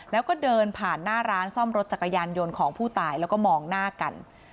แล้วก็เดินผ่านหน้าร้านซ่อมรถจักรยานยนต์ของผู้ตายแล้วก็มองหน้ากัน